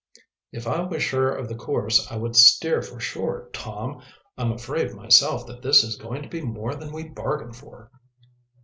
"If I was sure of the course I would steer for shore, Tom. I'm afraid myself that this is going to be more than we bargained for."